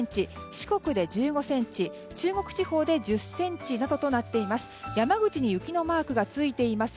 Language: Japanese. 四国で１５ｃｍ中国地方で１０ｃｍなどとなっています。